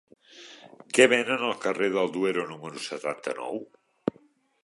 Què venen al carrer del Duero número setanta-nou?